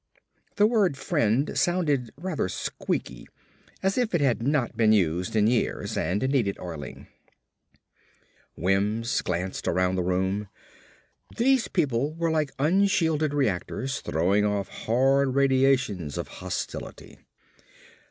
The word "friend" sounded rather squeaky as if it had not been used in years and needed oiling. Wims glanced around the room. These people were like unshielded reactors throwing off hard radiations of hostility.